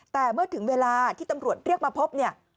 แต่เมื่อถึงเวลาที่ตำรวจเรียกมาพบเนี่ย